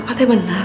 papa teh benar